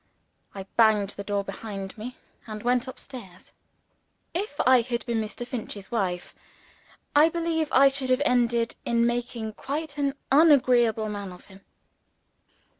I banged the door behind me, and went up stairs. If I had been Mr. Finch's wife, I believe I should have ended in making quite an agreeable man of him.